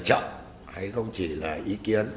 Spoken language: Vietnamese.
chậm hay không chỉ là ý kiến